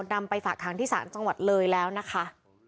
นำไปฝากหางที่ศาลจังหวัดเลยแล้วนะคะ